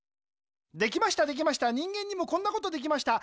できましたできました人間にもこんなことできました。